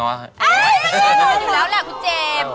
เอ้ยแล้วแหละคุณเจมส์